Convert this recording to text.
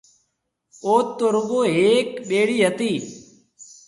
اوٿ تو رُگو ھيَََڪ ٻيڙِي ھتِي۔